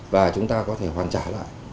và chúng ta có thể hoàn trả lại